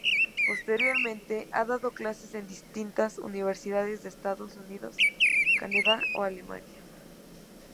Posteriormente, ha dado clases en distintas universidades de Estados Unidos, Canadá o Alemania.